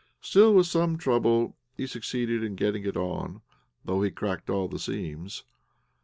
Still, with some trouble, he succeeded in getting it on, though he cracked all the seams.